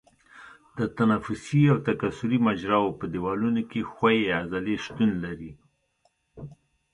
د تنفسي او تکثري مجراوو په دیوالونو کې ښویې عضلې شتون لري.